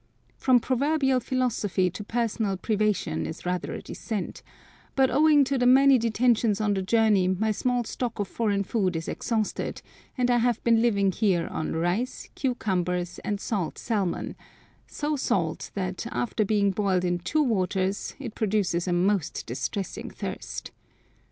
From proverbial philosophy to personal privation is rather a descent, but owing to the many detentions on the journey my small stock of foreign food is exhausted, and I have been living here on rice, cucumbers, and salt salmon—so salt that, after being boiled in two waters, it produces a most distressing thirst.